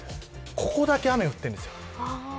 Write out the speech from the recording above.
ここだけ雨が降っているんです。